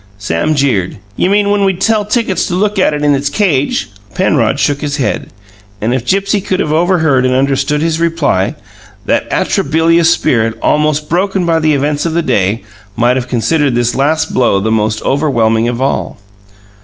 Sam jeered. "You mean when we'd sell tickets to look at it in its cage?" Penrod shook his head, and if Gipsy could have overheard and understood his reply, that atrabilious spirit, almost broken by the events of the day, might have considered this last blow the most overwhelming of all.